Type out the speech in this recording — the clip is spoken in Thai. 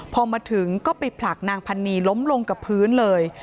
พอมาถึงก็ไปผลักนางพันนีล้มลงกับพื้นเลย